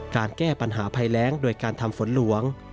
การแก้ปัญหาภัยแรงโดยการทำฝนหลวง